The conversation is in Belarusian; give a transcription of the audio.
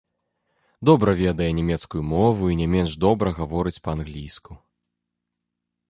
Добра ведае нямецкую мову і не менш добра гаворыць па-англійску.